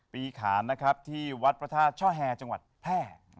ขานนะครับที่วัดพระธาตุช่อแฮจังหวัดแพร่